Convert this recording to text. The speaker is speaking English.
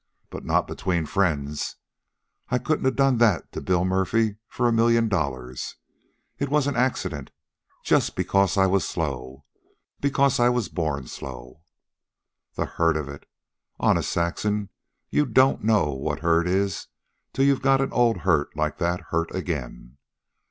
But not between friends. I couldn't a done that to Bill Murphy for a million dollars. It was a accident, just because I was slow, because I was born slow. "The hurt of it! Honest, Saxon, you don't know what hurt is till you've got a old hurt like that hurt again.